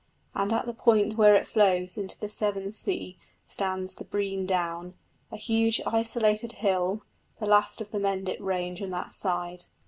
And at the point where it flows into the Severn Sea stands Brean Down, a huge isolated hill, the last of the Mendip range on that side.